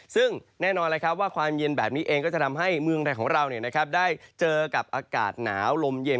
ซึ่งแน่นอนว่าความเย็นแบบนี้เองก็จะทำให้เมืองไทยของเราได้เจอกับอากาศหนาวลมเย็น